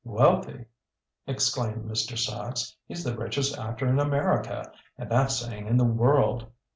"Wealthy!" exclaimed Mr. Sachs. "He's the richest actor in America, and that's saying in the world.